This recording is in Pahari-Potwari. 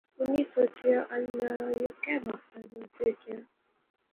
انی سوچیا اللہ یو کہہ بخت دا اسیں کیا